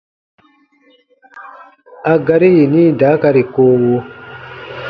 A gari yini daakari koowo :